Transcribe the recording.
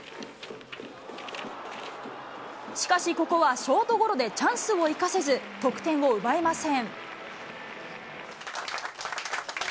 しかし、ここはショートゴロでチャンスを生かせず、得点を奪えません。